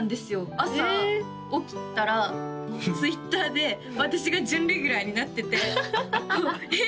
朝起きたらＴｗｉｔｔｅｒで私が準レギュラーになっててえっ！？